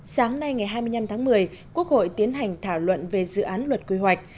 sáng nay ngày hai mươi năm tháng một mươi quốc hội tiến hành thảo luận về dự án luật quy hoạch